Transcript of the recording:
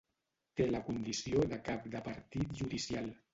Té la condició de cap de partit judicial.